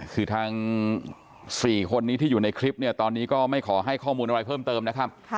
คือทาง๔คนนี้ที่อยู่ในคลิปเนี่ยตอนนี้ก็ไม่ขอให้ข้อมูลอะไรเพิ่มเติมนะครับ